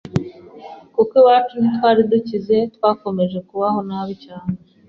kuko iwacu ntitwari dukize twakomeje kubaho nabi cyane